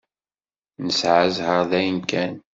Nesɛa ẓẓher dayen kan.